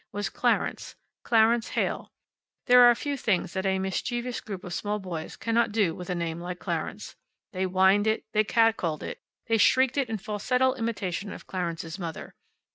was Clarence Clarence Heyl. There are few things that a mischievous group of small boys cannot do with a name like Clarence. They whined it, they catcalled it, they shrieked it in falsetto imitation of Clarence's mother.